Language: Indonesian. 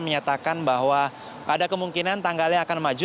menyatakan bahwa ada kemungkinan tanggalnya akan maju